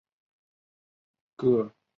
各国使用的乘法表有可能不太一样。